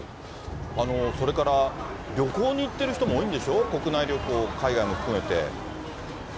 それから旅行に行ってる人も多いんでしょ、国内旅行、海外も含めて。